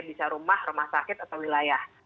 bisa rumah rumah sakit atau wilayah